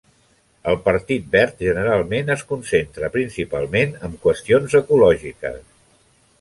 El Partit Verd generalment es concentra principalment amb qüestions ecològiques.